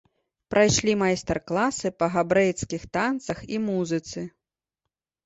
Прайшлі майстар-класы па габрэйскіх танцах і музыцы.